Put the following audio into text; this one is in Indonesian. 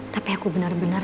tapi aku benar benar